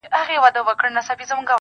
مسافر ليونى.